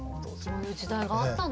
そういう時代があったんですね。